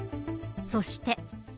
そして。